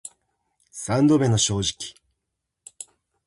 三度目の正直